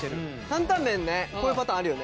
担々麺ねこういうパターンあるよね。